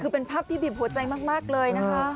คือเป็นภาพที่บีบหัวใจมากเลยนะคะ